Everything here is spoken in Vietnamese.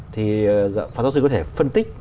thì pháp giáo sư có thể phân tích